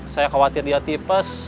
saya khawatir dia tipes